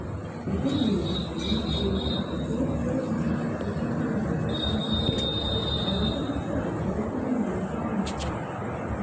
"The good news I mean is, that a first rate man, Mr. Transome, of Transome Court, has offered himself to represent you in Parliament, sirs.